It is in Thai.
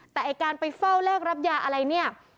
แต่ไอ้การไปเฝ้าแลกรับยาอะไรเนี่ย